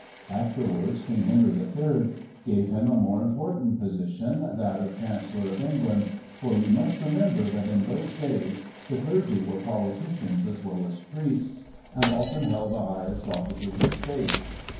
Afterwards King Henry III. gave him a more important position, that of Chancellor of England, for you must remember that in those days the clergy were politicans as well as priests, and often held the highest offices of State.